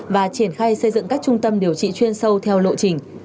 và triển khai xây dựng các trung tâm điều trị chuyên sâu theo lộ trình